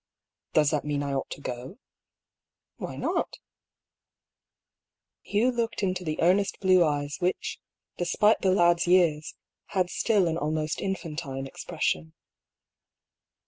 " Does that mean I ought to go ?"" Why not ?" Hugh looked into the earnest blue eyes which, de spite the lad's years, had still an almost infantine expression.